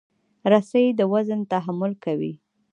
رسۍ د وزن تحمل کوي.